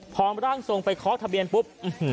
พอร่างทรงไปเคาะทะเบียนปุ๊บ